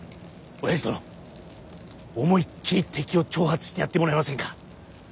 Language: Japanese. おやじ殿思いっきり敵を挑発してやってもらえませんか。